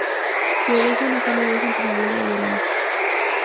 Florece una sola vez en primavera o verano.